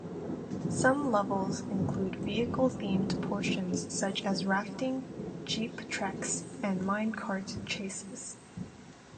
Some levels include vehicle-themed portions such as rafting, jeep treks, and mine cart chases.